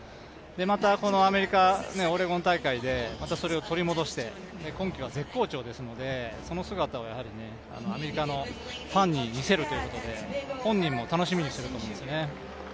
またこのアメリカ・オレゴン大会でそれを取り戻して今季は絶好調ですのでその姿をアメリカのファンに見せるということで本人も楽しみにしていると思うんですね。